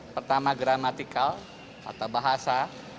pertama gramatikal kata bahasa